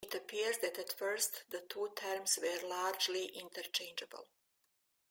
It appears that at first the two terms were largely interchangeable.